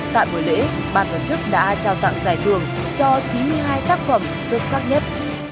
tại buổi lễ ban tổ chức đã trao tặng giải thưởng cho chín mươi hai tác phẩm xuất sắc nhất